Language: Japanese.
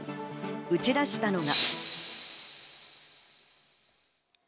打ち出したのが。